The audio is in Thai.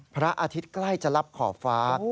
พระอาทิตย์ใกล้จะรับขอบฟ้า